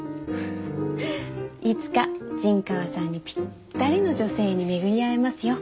いつか陣川さんにぴったりの女性にめぐり会えますよ。